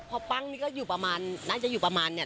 พอปั้งนี่ก็อยู่ประมาณน่าจะอยู่ประมาณเนี่ย